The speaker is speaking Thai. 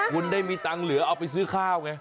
คุณได้มีตังค์เหลือเอาไปซื้อข้าวไง